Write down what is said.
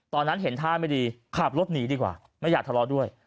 ตอนนั้นเห็นท่าไม่ดีขับรถหนีดีกว่าไม่อยากทะเลาะด้วย